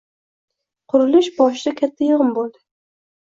Qurilish boshida katta yig‘in bo‘ldi.